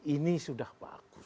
ini sudah bagus